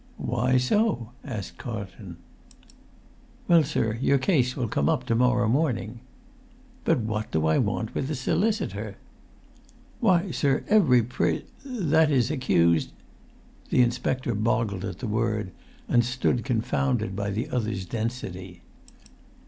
"Why so?" asked Carlton. "Well, sir, your case will come up to morrow morning." "But what do I want with a solicitor?" "Why, sir, every pris—that is, accused——" The inspector boggled at the word, and stood confounded by the other's density.